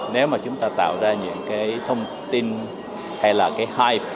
nếu mà chúng ta tạo ra những thông tin hay là cái hype